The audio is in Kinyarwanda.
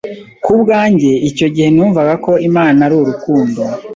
Ku bwanjye, icyo gihe numvaga ko Imana ari urukundo,